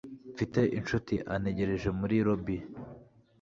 Mfite inshuti antegereje muri lobby.